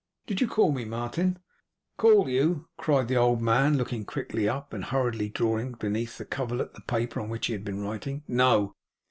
Did you call me, Martin?' 'Call you?' cried the old man, looking quickly up, and hurriedly drawing beneath the coverlet the paper on which he had been writing. 'No.